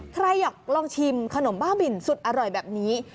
ใครอยากลองชิมขนมบ้าบินสุดอร่อยแบบนี้